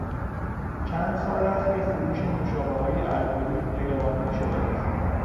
چند سال است که فروش نوشابههای الکلی غیرقانونی شده است.